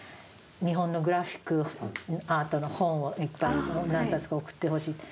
日本のグラフィックアートの本をいっぱい何冊か送ってほしいって。